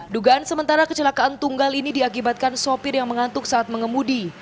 dugaan sementara kecelakaan tunggal ini diakibatkan sopir yang mengantuk saat mengemudi